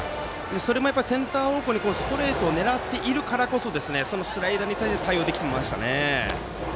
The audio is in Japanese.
それもセンター方向にストレートを狙っているからこそそのスライダーに対応できていましたね。